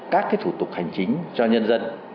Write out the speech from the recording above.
các thủ tục hành chính cho nhân dân